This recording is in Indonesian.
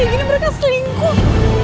gini mereka selingkuh